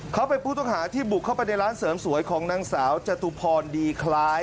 เขาเป็นผู้ต้องหาที่บุกเข้าไปในร้านเสริมสวยของนางสาวจตุพรดีคล้าย